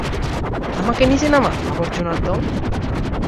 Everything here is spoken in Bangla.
আমাকে নিচে নামা, আবর্জনার দল!